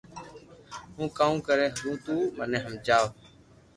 ھون ڪاو ڪري ھگو تو مني ھمجاو